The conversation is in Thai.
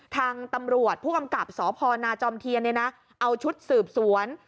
ทางตำรวจผู้กำกับสพนาจอมเทียนเอาชุดสืบสวน